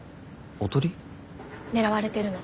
狙われてるの。